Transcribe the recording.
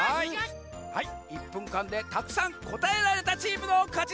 はい１ぷんかんでたくさんこたえられたチームのかちざんす！